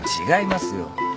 違いますよ。